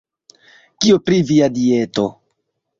Kio pri via dieto?